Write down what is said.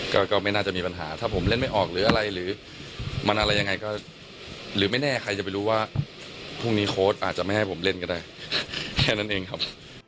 ก็ไม่น่าจะมีปัญหาถ้าผมเล่นไม่ออกหรืออะไรหรือมันอะไรยังไงก็หรือไม่แน่ใครจะไปรู้ว่าพรุ่งนี้โค้ดอาจจะไม่ให้ผมเล่นก็ได้แค่นั้นเองครับ